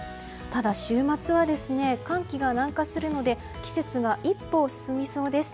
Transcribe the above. ただ、週末は寒気が南下するので季節が一歩進みそうです。